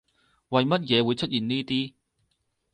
為乜嘢會出現呢啲